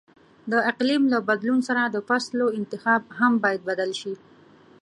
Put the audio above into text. د اقلیم له بدلون سره د فصلو انتخاب هم باید بدل شي.